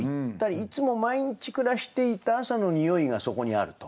いつも毎日暮らしていた朝の匂いがそこにあると。